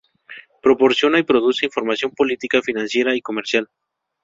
Proporciona y produce información política, financiera y comercial.